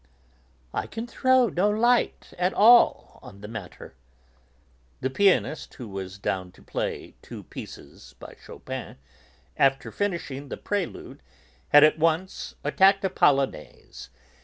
"I can throw no light at all on the matter." The pianist, who was 'down' to play two pieces by Chopin, after finishing the Prelude had at once attacked a Polonaise.